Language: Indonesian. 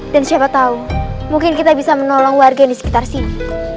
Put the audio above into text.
dan siapa tahu mungkin kita bisa menolong warga yang disekitar sini